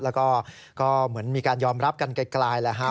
แล้วก็มีการยอมรับกันไกลเลยฮะ